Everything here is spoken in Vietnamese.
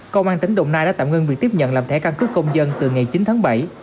công an tỉnh đồng nai đã tạm ngưng việc tiếp nhận làm thẻ căn cước công dân từ ngày chín tháng bảy